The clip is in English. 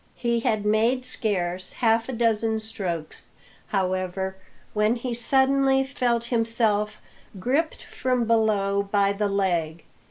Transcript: He had made scarce half a dozen strokes, however, when he suddenly felt himself gripped from below by the leg.